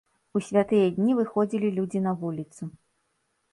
У святыя дні выходзілі людзі на вуліцу.